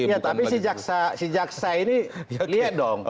ya tapi si jaksa ini lihat dong